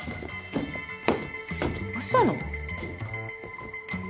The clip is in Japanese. どうしたの？